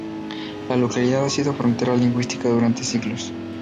La localidad ha sido frontera lingüística durante siglos.